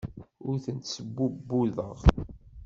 Ur tent-sbubbuḍeɣ.